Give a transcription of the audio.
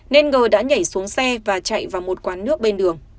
nên g đã nhảy xuống xe và chạy vào một quán nước bên đường